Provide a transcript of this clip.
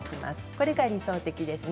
これが理想的ですね。